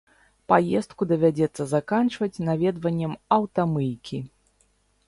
Паездку давядзецца заканчваць наведваннем аўтамыйкі.